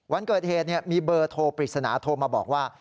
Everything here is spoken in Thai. วันเกิดเหตุมีเบอร์โทรปริศนาโทรมาบอกว่า